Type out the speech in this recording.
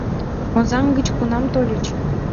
— Озаҥ гыч кунам тольыч?